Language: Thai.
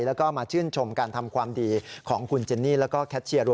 แล้วก็มาชื่นชมทำความดีของคุณเจนี่และแคทเชียร